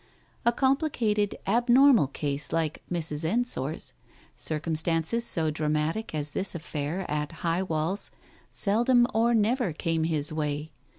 A complicated, abnormal case like Mrs. Ensor's; circumstances so dramatic as this affair at High Walls seldom or never came his way.